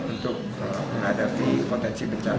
untuk menghadapi potensi bencana